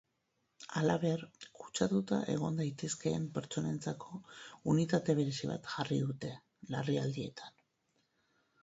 Halaber, kutsatuta egon daitezkeen pertsonentzako unitate berezi bat jarri dute, larrialdietan.